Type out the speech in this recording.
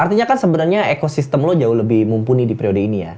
artinya kan sebenarnya ekosistem lo jauh lebih mumpuni di periode ini ya